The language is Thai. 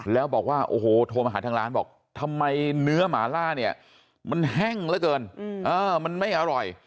แล้วบอกว่าโอ้โหโทรมาหาทางร้านบอกทำไมเนื้อหมาล่าเนี่ยมันแห้งเหลือเกินมันไม่อร่อย